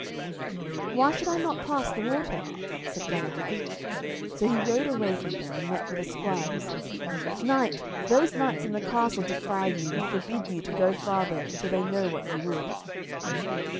"Why should I not pass the water?" said Galahad. So he rode away from them, and met with a squire, who said. "Knight, those knights in the castle defy you, and forbid you to go farther till they know what ye would."